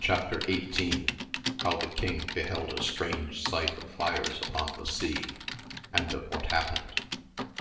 Chap. XVE[I. — ^How the King beheld a strange sight of fires upon the sea, and of what happened.